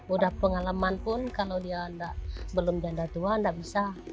udah pengalaman pun kalau dia belum janda tua nggak bisa